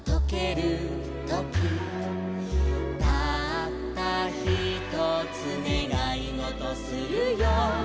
「たったひとつねがいごとするよ」